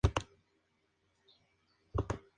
Sus ruinas están situadas siguiendo la ruta hacia Potes.